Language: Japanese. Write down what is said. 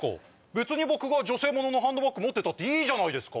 別に僕が女性物のハンドバッグ持ってたっていいじゃないですか。